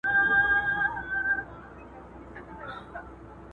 د رسا صاحب شعرونه ډېر مانا لرونکي دي.